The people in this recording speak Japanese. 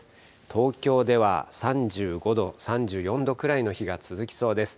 東京では３５度、３４度くらいの日が続きそうです。